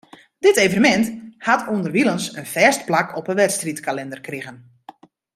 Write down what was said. Dit evenemint hat ûnderwilens in fêst plak op 'e wedstriidkalinder krigen.